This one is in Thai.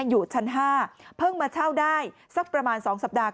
อยู่ชั้น๕เพิ่งมาเช่าได้สักประมาณ๒สัปดาห์